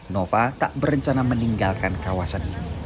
nova tak berencana meninggalkan kawasan ini